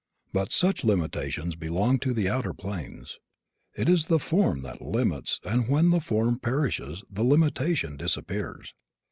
But such limitations belong to the outer planes. It is the form that limits and when the form perishes the limitation disappears.